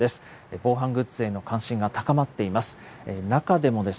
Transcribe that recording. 防犯グッズへの関心が高まっています。